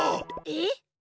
えっ？